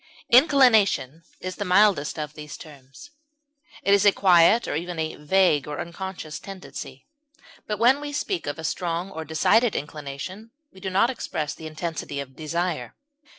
Inclination is the mildest of these terms; it is a quiet, or even a vague or unconscious, tendency. Even when we speak of a strong or decided inclination we do not express the intensity of desire.